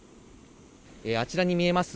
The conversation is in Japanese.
あちらに見えます